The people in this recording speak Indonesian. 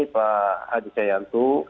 pak andi jayanto